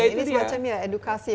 ini semacam ya edukasi